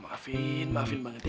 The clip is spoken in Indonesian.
maafin maafin banget ya